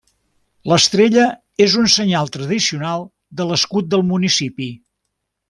L'estrella és un senyal tradicional de l'escut del municipi.